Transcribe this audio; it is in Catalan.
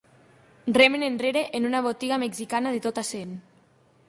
Remen enrere en una botiga mexicana de tot a cent.